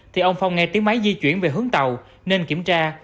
thì ông phong nghe tiếng máy di chuyển về hướng tàu nên kiểm tra